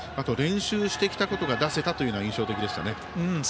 練習してきたことが出せたというのが印象的でしたね。